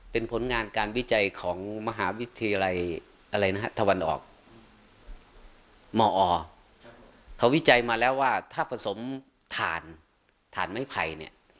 เป็นผลงานการวิจัยของมหาวิทยาลัยอะไรนะฮะตะวันออกมอเขาวิจัยมาแล้วว่าถ้าผสมฐานไม้ไผ่เนี่ย